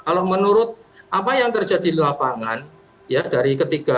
kalau menurut apa yang terjadi lalu itu adalah ya itu adalah ruas jalan